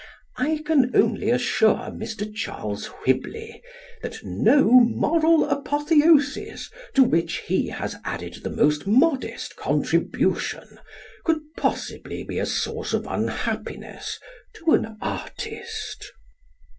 I can only assure Mr. Charles Whibley that no moral apotheosis to which he has added the most modest contribution could possibly be a source of unhappiness to an artist.